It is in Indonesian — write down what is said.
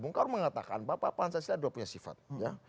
bung kaur mengatakan bapak pancasila itu punya sifat